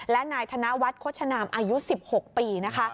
และนายธนวัฒน์โฆษณามอายุ๑๖ปีนะคะ